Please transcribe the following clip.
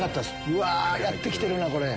うわやって来てるなこれ。